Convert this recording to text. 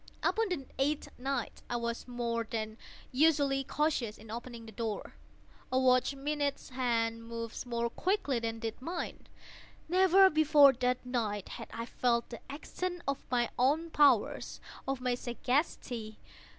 Upon the eighth night I was more than usually cautious in opening the door. A watch's minute hand moves more quickly than did mine. Never before that night had I felt the extent of my own powers—of my sagacity.